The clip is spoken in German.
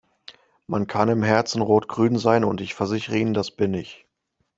Man kann im Herzen rot-grün sein, und ich versichere Ihnen, das bin ich.